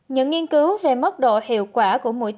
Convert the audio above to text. những nghiên cứu về mất độ hiệu quả của covid một mươi chín